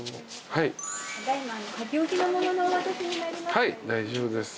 はい大丈夫です。